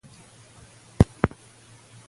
پوهه هغه څه ده چې ټولنې ته د ډېری ارزښتونه ورکوي.